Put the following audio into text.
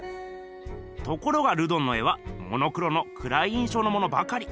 ところがルドンの絵はモノクロのくらい印象のものばかり。